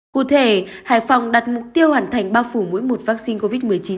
cụ thể hải phòng đặt mục tiêu hoàn thành bao phủ mỗi một vaccine covid một mươi chín